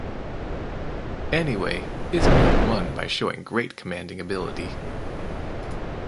Anyway Ismail won by showing great commanding ability.